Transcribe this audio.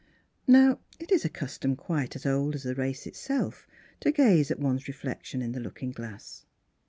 Now it is a custom quite as old as the race itself to gaze at one's reflection in the looking glass.